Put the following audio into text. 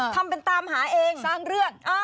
ทำเป็นตามหาเองสร้างเรื่อง